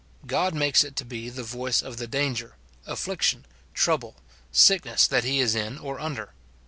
God makes it to be the voice of the danger, affliction, trouble, sickness that he is in or under.